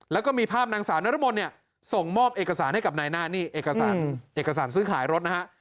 และก็มีภาพนางสานุรมนส่งมอบเอกสารให้กับนายน่าเอกสารซื้อขายรถนะฮะ